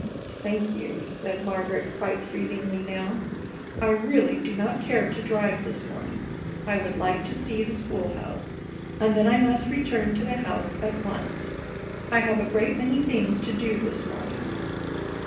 "Thank you," said Margaret, quite freezingly now. "I really do not care to drive this morning. I would like to see the school house, and then I must return to the house at once. I have a great many things to do this morning."